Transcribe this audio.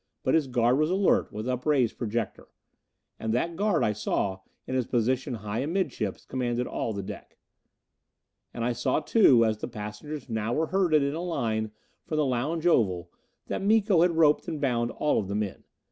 But his guard was alert, with upraised projector. And that guard, I saw, in his position high amidships, commanded all the deck. And I saw too, as the passengers now were herded in a line from the lounge oval, that Miko had roped and bound all of the men.